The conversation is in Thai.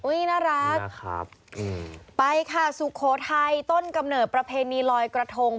น่ารักนะครับไปค่ะสุโขทัยต้นกำเนิดประเพณีลอยกระทง